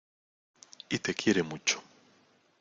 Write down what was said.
Y te quiere mucho.